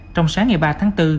trong sáng ngày ba tháng bốn